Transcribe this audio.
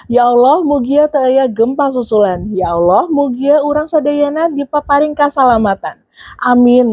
ya allah mogia teaya gempa susulan ya allah mogia orang sadaiana dipaparing kasalamatan amin